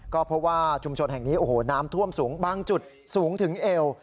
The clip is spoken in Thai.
ก็เพราะว่าชุมชนแห่งนี้โอ้โหน้ำท่วมสูงบางจุดสูงถึงเอว